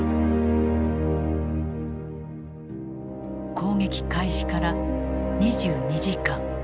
攻撃開始から２２時間。